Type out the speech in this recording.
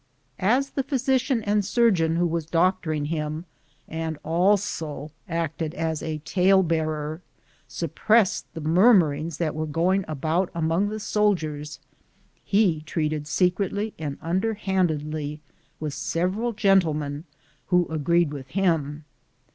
As the physician and surgeon who was doc toring him, and also acted as a talebearer, suppressed the murmurings that were going about among the soldiers, he treated secretly and underhandedly with several gentlemen 120 am Google THE JOUHHEY OF CORONADO who agreed with him.